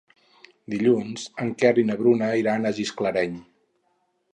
Dilluns en Quer i na Bruna iran a Gisclareny.